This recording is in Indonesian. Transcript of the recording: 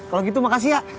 kalau gitu makasih ya